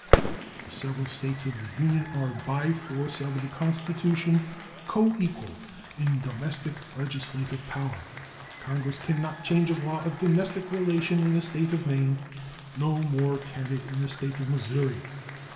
The several States of the Union are by force of the Constitution coequal in domestic legislative power. Congress can not change a law of domestic relation in the State of Maine; no more can it in the State of Missouri.